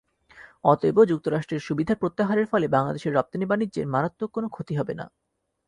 অতএব যুক্তরাষ্ট্রের সুবিধা প্রত্যাহারের ফলে বাংলাদেশের রপ্তানি বাণিজ্যের মারাত্মক কোনো ক্ষতি হবে না।